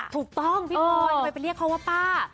ถูกต้องพี่พลอยทำไมไปเรียกเขาว่าป้า